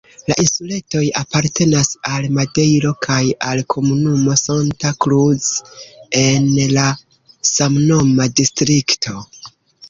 La insuletoj apartenas al Madejro kaj al komunumo Santa Cruz en la samnoma distrikto.